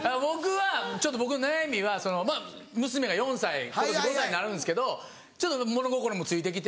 ちょっと僕の悩みは娘が４歳今年５歳になるんですけどちょっと物心もついてきて。